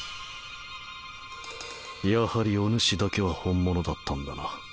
やはりお主だけは本物だったんだな。